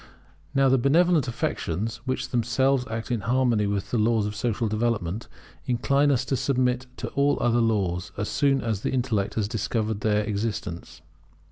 Now the benevolent affections, which themselves act in harmony with the laws of social development, incline us to submit to all other laws, as soon as the intellect has discovered their existence.